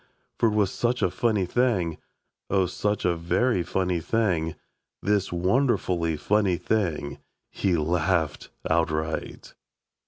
For it was such a funny thing, O, such a very funny thing, This wonderfully funny thing, He Laughed Outright.